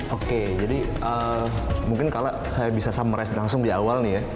oke jadi mungkin kalau saya bisa summerce langsung di awal nih ya